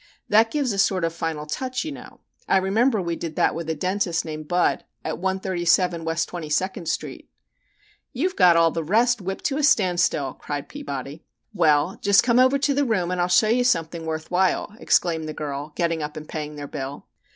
That gives a sort of final touch, you know. I remember we did that with a dentist named Budd, at 137 West Twenty second Street." (Fig. 3.) "You've got all the rest whipped to a standstill," cried Peabody. "Well, just come over to the room and I'll show you something worth while," exclaimed the girl, getting up and paying their bill.